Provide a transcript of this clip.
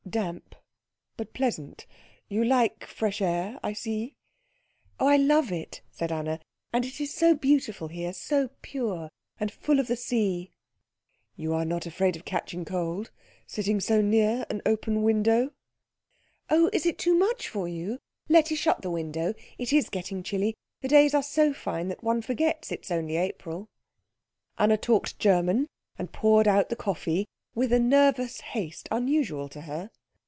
"Damp, but pleasant. You like fresh air, I see." "Oh, I love it," said Anna; "and it is so beautiful here so pure, and full of the sea." "You are not afraid of catching cold, sitting so near an open window?" "Oh, is it too much for you? Letty, shut the window. It is getting chilly. The days are so fine that one forgets it is only April." Anna talked German and poured out the coffee with a nervous haste unusual to her.